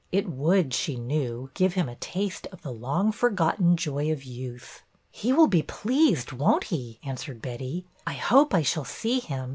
It would, she knew, give him a taste of the long forgotten joy of youth. ''He will be pleased, won't he?" answered Betty. " I hope I shall see him.